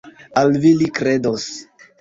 Al vi li kredos!